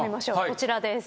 こちらです。